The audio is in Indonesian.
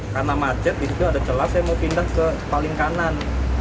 karena macet disitu ada celah saya mau pindah ke paling kanan